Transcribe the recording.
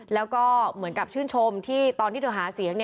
แล้วก็เหมือนกับชื่นชมที่ตอนที่เธอหาเสียง